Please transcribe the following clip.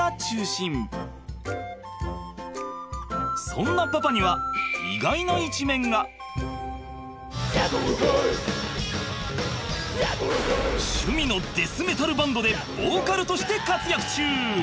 そんなパパには趣味のデスメタルバンドでボーカルとして活躍中！